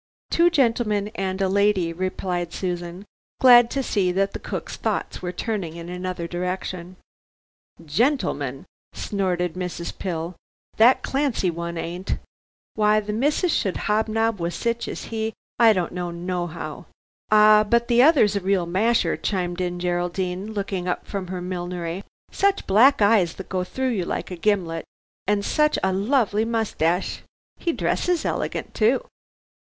"Two gentlemen and a lady," replied Susan, glad to see that the cooks thoughts were turning in another direction. "Gentlemen!" snorted Mrs. Pill, "that Clancy one ain't. Why the missus should hobnob with sich as he, I don't know nohow." "Ah, but the other's a real masher," chimed in Geraldine, looking up from her millinery; "such black eyes, that go through you like a gimlet, and such a lovely moustache. He dresses elegant too."